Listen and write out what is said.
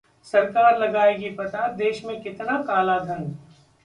सरकार लगाएगी पता, देश में कितना काला धन